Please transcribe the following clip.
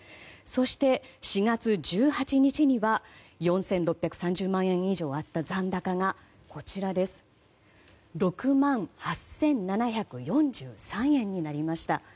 そして４月１８日には４６３０万円以上あった残高が６万８７４３円になりました。